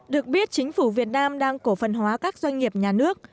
được biết chính phủ việt nam đang cổ phần hóa các doanh nghiệp nhà nước